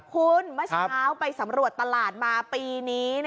คุณเมื่อเช้าไปสำรวจตลาดมาปีนี้